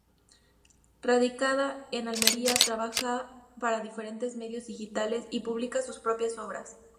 Radicada en Almería trabaja para diferentes medios digitales y publica sus propias obras.